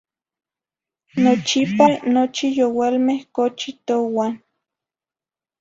Nochipa nochi youalme cochi touan.